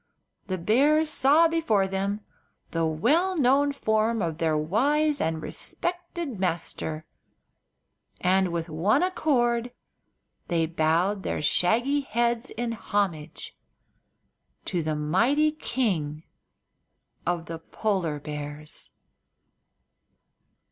the bears saw before them the well known form of their wise and respected master, and with one accord they bowed their shaggy heads in homage to the mighty King of the Polar Bears.